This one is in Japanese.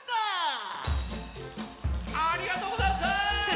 ありがとうござんす！